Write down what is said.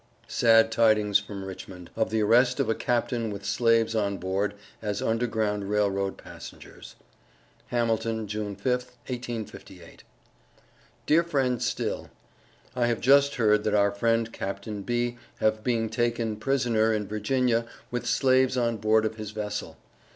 Sad tidings from Richmond Of the arrest of a Captain with Slaves on board as Underground Rail Road passengers. HAMILTON, June 5th, 1858. DEAR FRIEND STILL: I have just heard that our friend Capt. B. have being taken Prisoner in Virginia with slaves on board of his vessel.